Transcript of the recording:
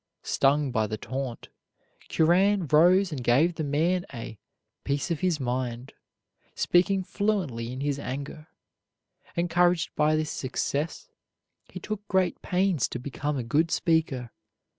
Stung by the taunt, Curran rose and gave the man a "piece of his mind," speaking fluently in his anger. Encouraged by this success, he took great pains to become a good speaker.